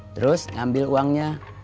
terus ngambil uangnya